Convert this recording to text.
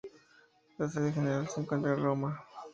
La sede general se encuentra en Roma.